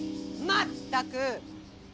・まったく！